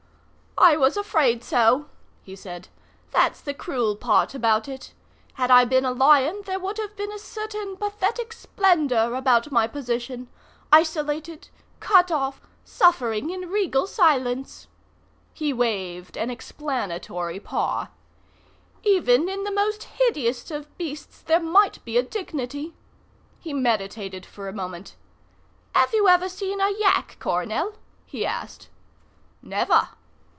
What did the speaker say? "I was afraid so," he said. "That's the cruel part about it. Had I been a lion there would have been a certain pathetic splendour about my position. Isolated cut off suffering in regal silence." He waved an explanatory paw. "Even in the most hideous of beasts there might be a dignity." He meditated for a moment. "Have you ever seen a yak, Coronel?" he asked. "Never."